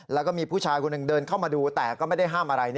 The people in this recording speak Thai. แล้วก็มีผู้ชายคนหนึ่งเดินเข้ามาดูแต่ก็ไม่ได้ห้ามอะไร